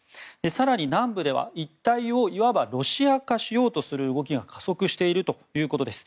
更に、南部では一帯をいわばロシア化しようとする動きが加速しているということです。